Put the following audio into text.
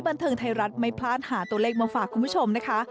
บันเทิงไทยรัฐไม่พลาดหาตัวเลขมาฝากคุณผู้ชมนะคะ